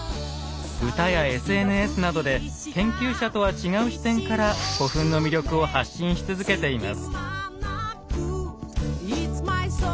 歌やＳＮＳなどで研究者とは違う視点から古墳の魅力を発信し続けています。